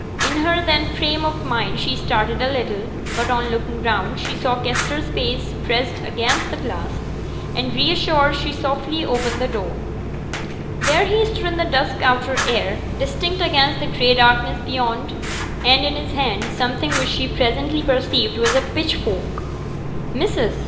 In her then frame of mind she started a little; but on looking round, she saw Kester's face pressed against the glass, and, reassured, she softly opened the door. There he stood in the dusk outer air, distinct against the gray darkness beyond, and in his hand something which she presently perceived was a pitchfork. 'Missus!'